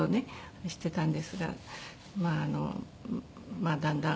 あれしてたんですがまあだんだん。